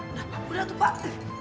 udah pak udah tuh pak deh